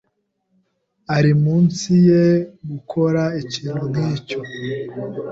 Ari munsi ye gukora ikintu nkicyo.